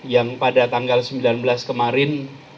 baru dihajar juga di jakarta